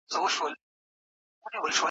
تفسیر باید د علمي معیارونو له مخې وسي.